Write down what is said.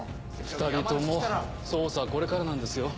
２人とも捜査はこれからなんですよ？